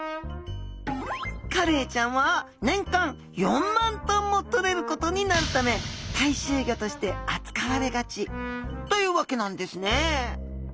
カレイちゃんは年間４万トンもとれることになるため大衆魚として扱われがちというわけなんですね。